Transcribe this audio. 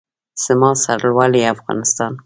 زما سرلوړی افغانستان.